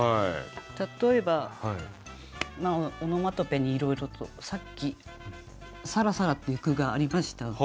例えばオノマトペにいろいろとさっき「さらさら」っていう句がありました。